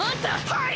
はい！